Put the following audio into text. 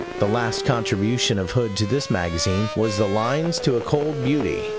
The last contribution of Hood to this magazine was the Lines to a Cold Beauty.